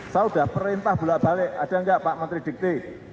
saya sudah perintah bolak balik ada nggak pak menteri dikti